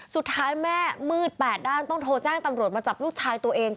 สุดท้ายแม่มืด๘ด้านต้องโทรแจ้งตำรวจมาจับลูกชายตัวเอง